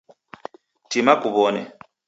Tima kuw'one